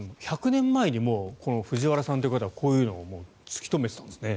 １００年前に藤原さんという方はこういうのをもう突き止めていたんですね。